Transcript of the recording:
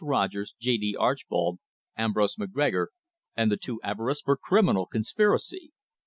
Rogers, J. D. Archbold, Ambrose McGregor and the two Everests for criminal conspiracy.